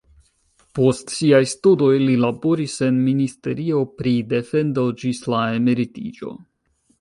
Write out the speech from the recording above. Post siaj studoj li laboris en ministerio pri defendo ĝis la emeritiĝo.